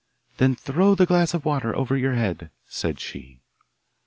'Then throw the glass of water over your head,' said she.